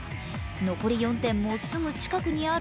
残り４点もすぐ近くにある？